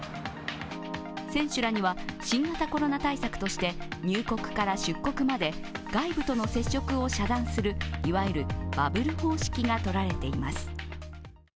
選手らには新型コロナ対策として入国から出国まで外部との接触を遮断するいわゆるバブル方式がとられています。